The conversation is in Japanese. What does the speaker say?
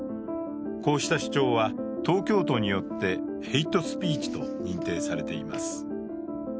こうした主張は東京都によってヘイトスピーチと認定されています。